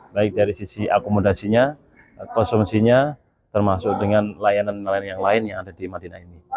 baik dari sisi akomodasinya konsumsinya termasuk dengan layanan layanan yang lain yang ada di madinah ini